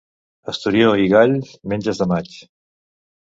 Esturió i gall, menges de maig.